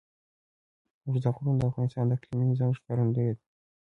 اوږده غرونه د افغانستان د اقلیمي نظام ښکارندوی ده.